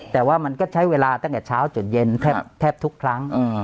แต่ว่ามันก็ใช้เวลาตั้งแต่เช้าจนเย็นแทบทุกครั้ง